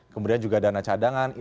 kemudian juga dana cadangan